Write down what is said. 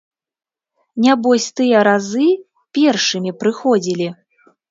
Нябось тыя разы першымі прыходзілі.